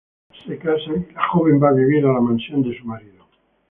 Se casan y la joven va a vivir a la mansión de su marido.